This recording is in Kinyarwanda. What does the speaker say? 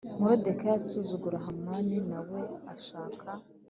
Moridekayi asuzugura Hamani na we ashaka